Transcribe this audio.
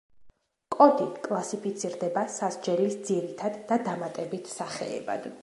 კოდი კლასიფიცირდება სასჯელის ძირითად და დამატებით სახეებად.